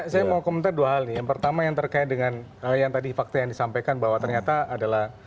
saya mau komentar dua hal nih yang pertama yang terkait dengan yang tadi fakta yang disampaikan bahwa ternyata adalah